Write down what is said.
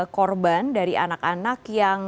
korban dari anak anak yang